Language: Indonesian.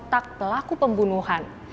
otak pelaku pembunuhan